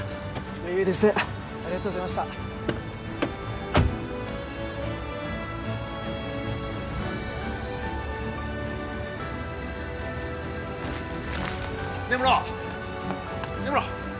余裕ですありがとうございました根室根室